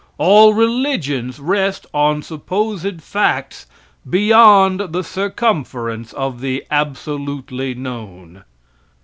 All religions rest on supposed facts beyond the circumference of the absolutely known.